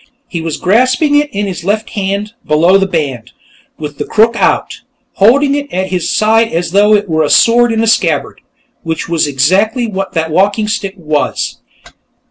He was grasping it in his left hand, below the band, with the crook out, holding it at his side as though it were a sword in a scabbard, which was exactly what that walking stick was.